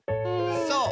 そう。